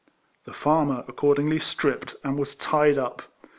The farmer, accordingly, stripped, and was tied up.